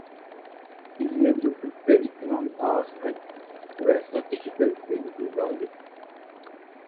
انہیں جو خود پر اتنا ناز ہے تو ایسا کچھ غلط بھی نہیں غالب